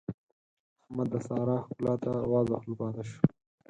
احمد د سارا ښکلا ته وازه خوله پاته شو.